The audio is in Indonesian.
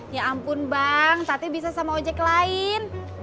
ya ampun bang tati bisa sama ngojek lain